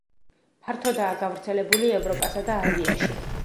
ფართოდაა გავრცელებული ევროპასა და აზიაში.